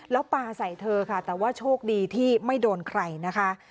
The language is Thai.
แล้วปลาใส่เธอค่ะแต่ว่าโชคดีที่ไม่โดนใครนะคะ